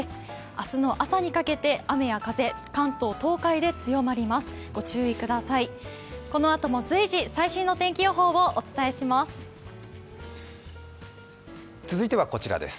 明日の朝にかけて雨や風、関東・東海で強まります。